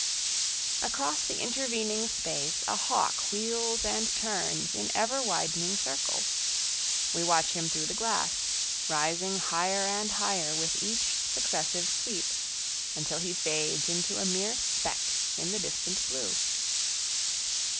Across the intervening space a hawk wheels and turns in ever widening circles. We watch him through the glass, rising higher and higher with each successive sweep, until he fades into a mere speck in the distant blue.